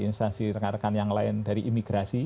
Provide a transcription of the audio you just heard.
instansi rekan rekan yang lain dari imigrasi